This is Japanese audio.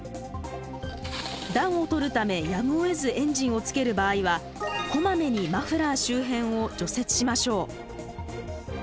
暖をとるためやむをえずエンジンをつける場合はこまめにマフラー周辺を除雪しましょう。